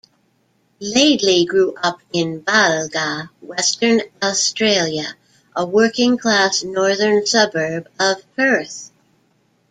Laidley grew up in Balga, Western Australia, a working-class northern suburb of Perth.